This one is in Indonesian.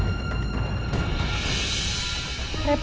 jangan pakai influencer nih maka kamu masihraid semua kali samae nah